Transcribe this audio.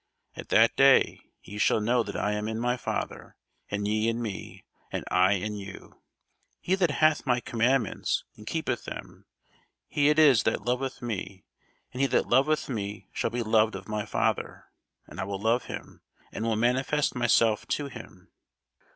At that day ye shall know that I am in my Father, and ye in me, and I in you. He that hath my commandments, and keepeth them, he it is that loveth me: and he that loveth me shall be loved of my Father, and I will love him, and will manifest myself to him.